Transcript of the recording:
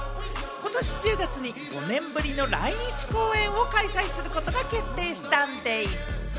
今年１０月に５年ぶりの来日公演を開催することが決定したんでぃす！